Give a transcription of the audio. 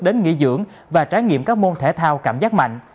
đến nghỉ dưỡng và trải nghiệm các môn thể thao cảm giác mạnh